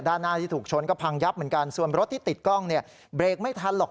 ด้านหน้าที่ถูกชนก็พังยับเหมือนกันส่วนรถที่ติดกล้องเนี่ยเบรกไม่ทันหรอก